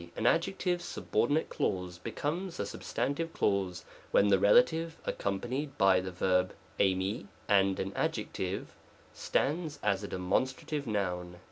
An adjective subordinate clause becomes a sub stantive clause, when the relative, accompanied by the verb f //// and an adjective, stands as a demonstrative noun.